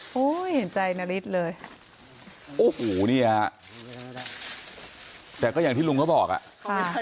โอ้โหเห็นใจนาริสเลยโอ้โหเนี้ยแต่ก็อย่างที่ลุงเขาบอกอ่ะ